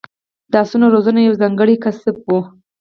د اسونو روزنه یو ځانګړی کسب و